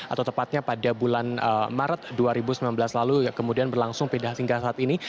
atau tepatnya pada bulan maret dua ribu sembilan belas lalu kemudian berlangsung pindah hingga saat ini